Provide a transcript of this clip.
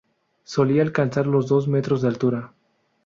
Solía alcanzar los dos metros de altura.